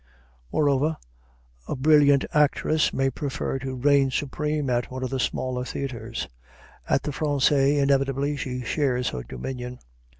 Moreover, a brilliant actress may prefer to reign supreme at one of the smaller theaters; at the Français, inevitably, she shares her dominion.